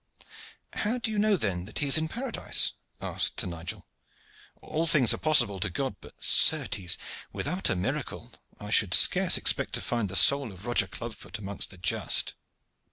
"How know you then that he is in paradise?" asked Sir Nigel. "All things are possible to God, but, certes, without a miracle, I should scarce expect to find the soul of Roger Clubfoot amongst the just."